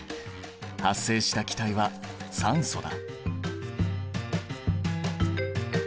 発生した気体は酸素だ。